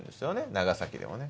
長崎でもね。